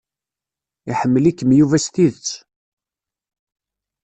Iḥemmel-ikem Yuba s tidet.